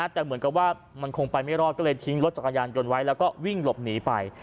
แต่เหมือนกับว่ามันคงไปไม่รอดก็เลยทิ้งรถจักรยานยนต์ไว้แล้วก็วิ่งหลบหนีไป